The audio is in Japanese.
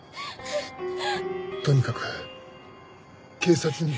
とにかく警察に。